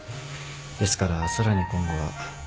ですからさらに今後は